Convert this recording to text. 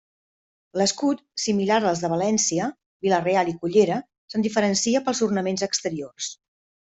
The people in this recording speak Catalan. L'escut, similar als de València, Vila-real i Cullera, se'n diferencia pels ornaments exteriors.